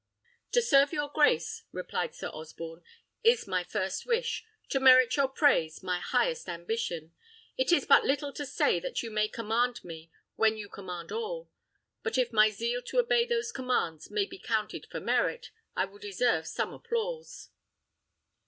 "To serve your grace," replied Sir Osborne, "is my first wish; to merit your praise my highest ambition. It is but little to say that you may command me when you command all; but if my zeal to obey those commands may be counted for merit, I will deserve some applause."